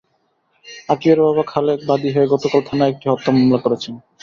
আকিবের বাবা খালেক বাদী হয়ে গতকাল থানায় একটি হত্যা মামলা করেছেন।